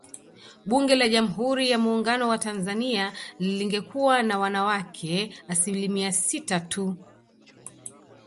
Bunge la Jamhuri ya Muungano wa Tanzania lingekuwa na wanawake asilimia sita tu